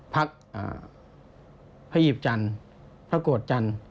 พักพยีบจันทร์พระโกทจันทร์